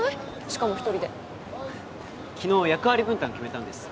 しかも１人で昨日役割分担決めたんです